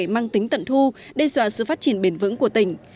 mang tính tận thu đe dọa sự phát triển bền vững của tỉnh